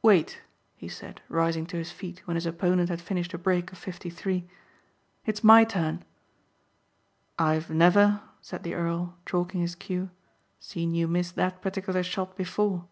"Wait," he said rising to his feet when his opponent had finished a break of fifty three. "It's my turn." "I have never," said the earl, chalking his cue, "seen you miss that particular shot before."